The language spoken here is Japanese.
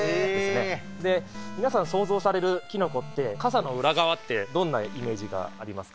皆さん想像されるキノコって、かさの裏側ってどんなイメージがありますか？